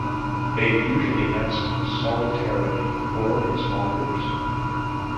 They usually nest solitarily or in small groups.